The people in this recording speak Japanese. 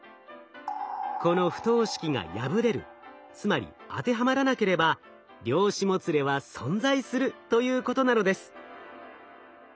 この不等式が破れるつまり当てはまらなければ量子もつれは存在するということなのです。